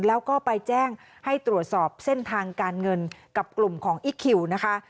แล้วก็ไปแจ้งให้ตรวจสอบเส้นทางการเงินกับกลุ่มของอีคคิวนะคะ